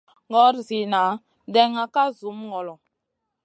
Nor zina ɗènŋa ka zumi ŋolo.